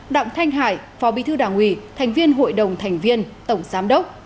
đặng thanh hải phó bí thư đảng ủy thành viên hội đồng thành viên tổng giám đốc